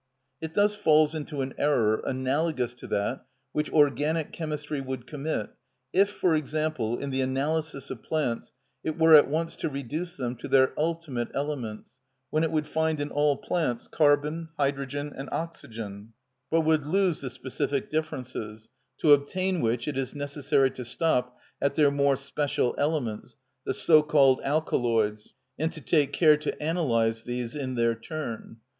It thus falls into an error analogous to that which organic chemistry would commit if, for example, in the analysis of plants it were at once to reduce them to their ultimate elements, when it would find in all plants carbon, hydrogen, and oxygen, but would lose the specific differences, to obtain which it is necessary to stop at their more special elements, the so called alkaloids, and to take care to analyse these in their turn.